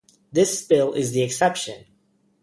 This spill is the exception.